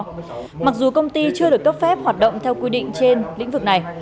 phạm văn tiến đã đưa người đi xuất khẩu lao động theo quy định trên lĩnh vực này